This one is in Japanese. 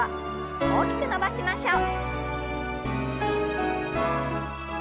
大きく伸ばしましょう。